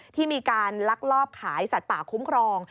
ที่มีการลักลอบขายสัตว์ป่าคุ้มครอง